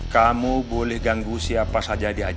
kamu boleh ganggu siapa saja di aj